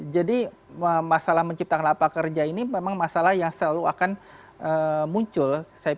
jadi masalah menciptakan lapangan kerja ini memang masalah yang selalu akan muncul